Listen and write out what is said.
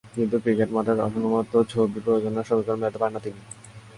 কিন্তু ক্রিকেট মাঠের রসায়নের মতো ছবি প্রযোজনার সমীকরণ মেলাতে পারেননি তিনি।